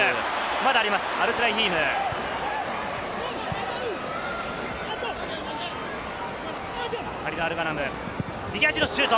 まだあります、アルスライヒーム、ハリド・アルガナム、左足のシュート！